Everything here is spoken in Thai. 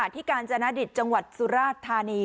ที่การจะนท์กริจจังหวัดสุระทานี